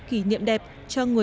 kỷ niệm đẹp cho người